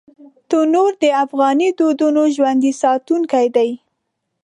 تنور د افغاني دودونو ژوندي ساتونکی دی